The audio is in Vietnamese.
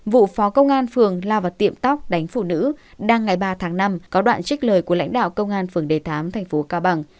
vụ phó công an phường lao vào tiệm tóc đánh phụ nữ đang ngày ba tháng năm có đoạn trích lời của lãnh đạo công an phường đề thám thành phố cao bằng